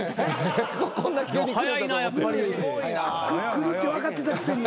来るって分かってたくせに。